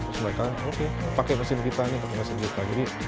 terus mereka pakai mesin kita ini pakai mesin kita